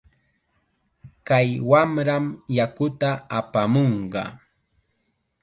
Kay wamram yakuta apamunqa.